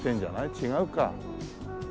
違うか。